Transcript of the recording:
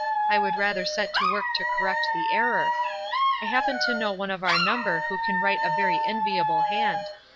I would rather set to work to correct the error. I happen to know one of our number who can write a very enviable hand.